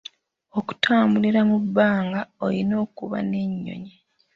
Okutambulira mu bbanga olina okuba n'ennyonyi.